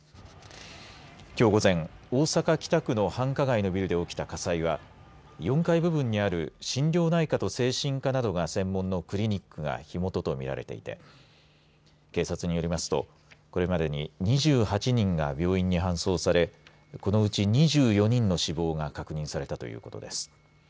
きょう午前大阪、北区の繁華街のビルで起きた火災は４階部分にある心療内科と精神科などが専門のクリニックが火元と見られていて警察によりますとこれまでに２８人が病院に搬送されこのうち２４人の死亡が確認されたということです。